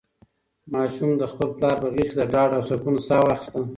ماشوم د خپل پلار په غېږ کې د ډاډ او سکون ساه واخیسته.